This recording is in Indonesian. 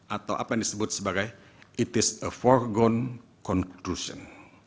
atau apa yang disebut sebagai it is a for gon conclusion